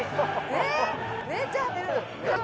えっ？